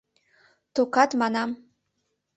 Токат, манам...